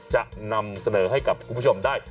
จะนำเสนอให้กับคุณผู้ชมได้